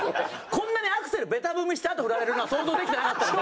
こんなにアクセルベタ踏みしたあとフラれるのは想像できてなかったんで。